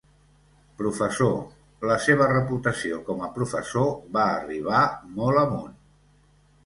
Professor, la seva reputació com a professor va arribar molt amunt.